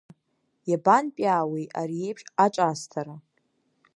Иабантәиаауеи ари еиԥш аҿаасҭара?